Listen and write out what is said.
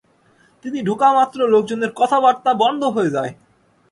তিনি ঢোকামাত্র লোকজনের কথাবার্তা বন্ধ হয়ে যায়।